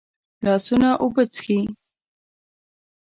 لاسونه اوبه څښي